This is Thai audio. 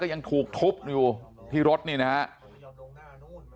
ยังถูกทุบอยู่ที่รถนี่นะครับ